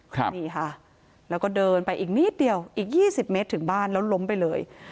ครับนี่ค่ะแล้วก็เดินไปอีกนิดเดียวอีกยี่สิบเมตรถึงบ้านแล้วล้มไปเลย